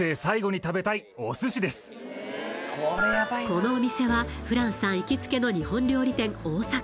このお店はフランさん行きつけの日本料理店